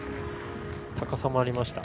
高さもありました。